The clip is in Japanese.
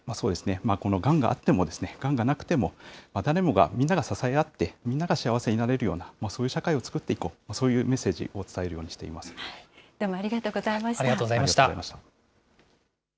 なので、このがんがあっても、がんがなくても、誰もがみんなが支え合って、みんなが幸せになれるような、そういう社会を作っていこう、そういうメッセージを伝えるようにしどうもありがとうございましありがとうございました。